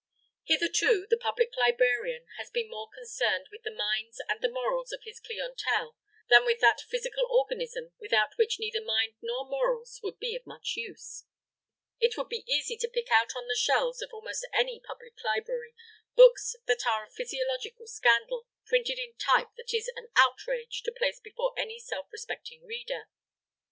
Hitherto, the public librarian has been more concerned with the minds and the morals of his clientele than with that physical organism without which neither mind nor morals would be of much use. It would be easy to pick out on the shelves of almost any public library books that are a physiological scandal, printed in type that it is an outrage to place before any self respecting reader.